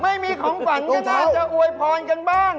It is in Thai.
ไม่มีของขวัญก็น่าจะอวยพรกันบ้าง